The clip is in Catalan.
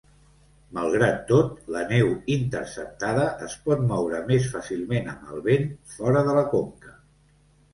Malgrat tot, la neu interceptada es pot moure més fàcilment amb el vent, fora de la conca.